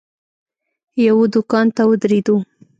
یوه دوکان ته ودرېدو.